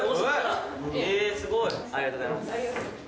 えー、ありがとうございます。